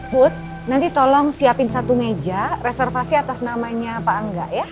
food nanti tolong siapin satu meja reservasi atas namanya pak angga ya